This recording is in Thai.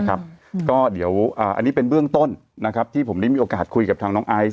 ก็เดี๋ยวอันนี้เป็นเบื้องต้นนะครับที่ผมได้มีโอกาสคุยกับทางน้องไอซ์